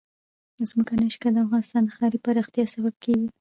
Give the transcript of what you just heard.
ځمکنی شکل د افغانستان د ښاري پراختیا سبب کېږي.